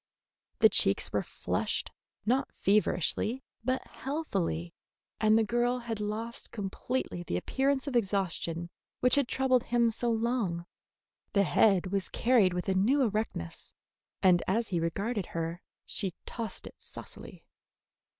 The cheeks were flushed, not feverishly, but healthily, and the girl had lost completely the appearance of exhaustion which had troubled him so long. The head was carried with a new erectness, and as he regarded her she tossed it saucily.